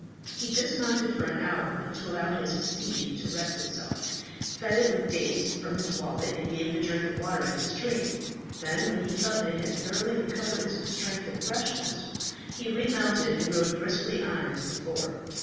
He dismounted for an hour to allow his steed to rest itself, fed it with dates from his wallet, and gave it a drink of water at the stream. Then, when he felt that it had thoroughly recovered its strength and freshness, he re mounted, and rode briskly on as before.